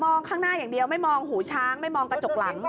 ข้างหน้าอย่างเดียวไม่มองหูช้างไม่มองกระจกหลัง